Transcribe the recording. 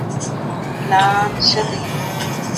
د زړونو خلګ خو د زړونو په دنيـا كـي اوســي